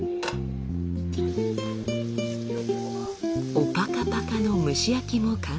オパカパカの蒸し焼きも完成。